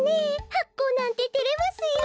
はっこうなんててれますよ。